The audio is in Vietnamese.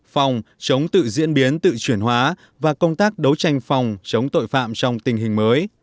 phòng chống tự diễn biến tự chuyển hóa và công tác đấu tranh phòng chống tội phạm trong tình hình mới